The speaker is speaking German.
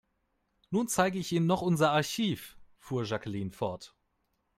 Nun zeige ich Ihnen noch unser Archiv, fuhr Jacqueline fort.